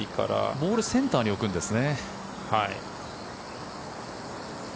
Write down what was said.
ボールセンターに置くんですね。